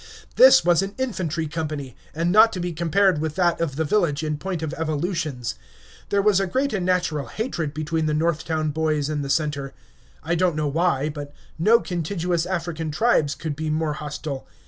This was an infantry company, and not to be compared with that of the village in point of evolutions. There was a great and natural hatred between the north town boys and the center. I don't know why, but no contiguous African tribes could be more hostile.